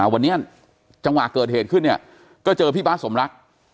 วันนี้จังหวะเกิดเหตุขึ้นเนี่ยก็เจอพี่บาทสมรัก